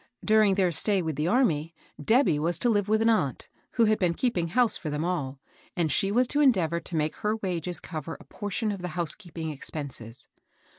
During their stay with the army Debby was to live with an aunt, who had been keeping house for them all, and she was to en deavor to make her wages cover a portion of the housekeeping expenses.